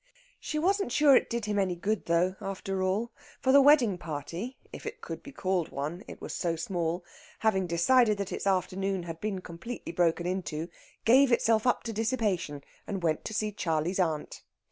She wasn't sure it did him any good though, after all, for the wedding party (if it could be called one, it was so small), having decided that its afternoon had been completely broken into, gave itself up to dissipation, and went to see "Charley's Aunt."